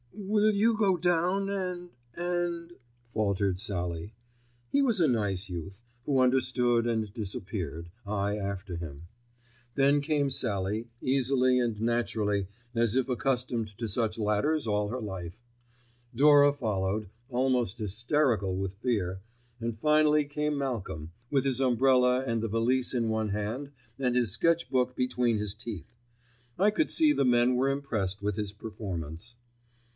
"Will you go down and—and——" faltered Sallie. He was a nice youth, who understood and disappeared, I after him. Then came Sallie, easily and naturally as if accustomed to such ladders all her life. Dora followed, almost hysterical with fear, and finally came Malcolm, with his umbrella and the valise in one hand and his sketch book between his teeth. I could see the men were impressed with his performance.